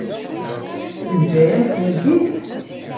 Teǧǧa-yam-tent-id?